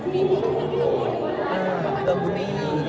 พี่สูงบอกว่าตอนนี้ต้องไปกันหน้าเท้า